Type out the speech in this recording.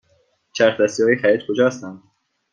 چرخ دستی های خرید کجا هستند؟